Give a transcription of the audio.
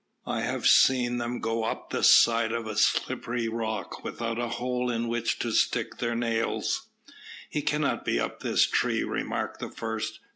I have seen them go up the side of a slippery rock without a hole in which to stick their nails." "He cannot be up this tree," remarked the first.